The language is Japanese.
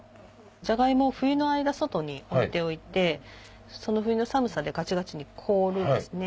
ジャガイモを冬の間外に置いておいてその冬の寒さでガチガチに凍るんですね。